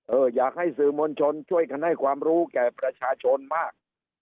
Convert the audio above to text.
อยากให้สื่อมวลชนช่วยกันให้ความรู้แก่ประชาชนมาก